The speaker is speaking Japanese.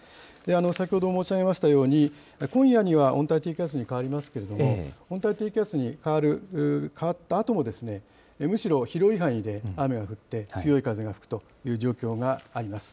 先ほど申し上げましたように、今夜には温帯低気圧に変わりますけれども、温帯低気圧に変わったあともむしろ、広い範囲で雨が降って、強い風が吹くという状況があります。